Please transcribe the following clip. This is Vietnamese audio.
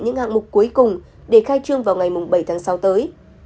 những hạng mục cuối cùng để khai trương vào ngày bảy tháng sáu tới